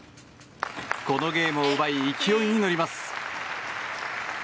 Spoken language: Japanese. このゲームを奪い勢いに乗ります。